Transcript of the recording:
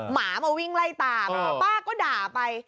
หมามาวิ่งไล่ตามป้าก็ด่าไป